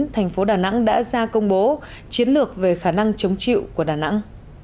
thành phố đà nẵng đã ra công bố chiến lược về khả năng chống chịu của đà nẵng